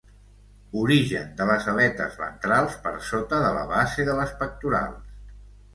Origen de les aletes ventrals per sota de la base de les pectorals.